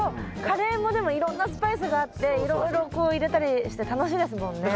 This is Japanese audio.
カレーもでもいろんなスパイスがあっていろいろこう入れたりして楽しいですもんね。